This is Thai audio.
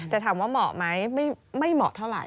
แต่ถามว่าเหมาะไหมไม่เหมาะเท่าไห